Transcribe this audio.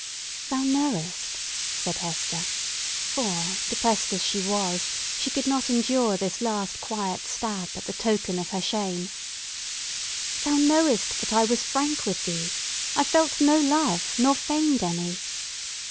"Thou knowest," said Hester—for, depressed as she was, she could not endure this last quiet stab at the token of her shame—"thou knowest that I was frank with thee. I felt no love, nor feigned any."